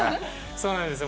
そうなんですよ